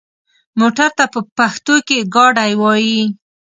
موټر ته په پښتو کې ګاډی وايي.